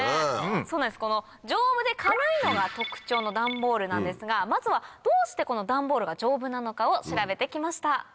そうなんですこの丈夫で軽いのが特徴のダンボールなんですがまずはどうしてこのダンボールが丈夫なのかを調べて来ました。